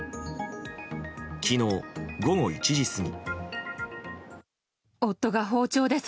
昨日午後１時過ぎ。